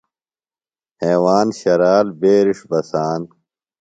ہیواند ،شرال بیرݜ ،بساند۔